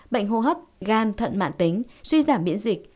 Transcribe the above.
bệnh hô hấp gan thận mạng tính suy giảm biễn dịch